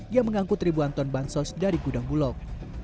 yang mengangkut ribuan ton bansos dari gudang bulog